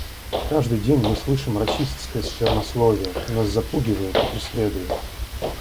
Каждый день мы слышим расистское сквернословие, нас запугивают и преследуют.